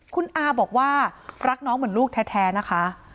คุณอาบอกว่ารักน้องเหมือนลูกแท้นะคะ